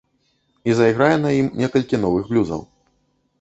І зайграе на ім некалькі новых блюзаў.